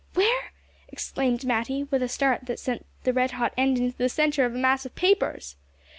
"Where?" exclaimed Matty with a start that sent the red hot end into the centre of a mass of papers.